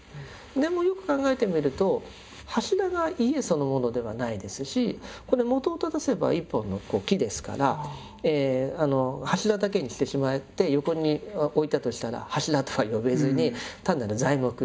でもよく考えてみると柱が家そのものではないですしこれ本を正せば一本の木ですから柱だけにしてしまって横に置いたとしたら柱とは呼べずに単なる材木ですよね。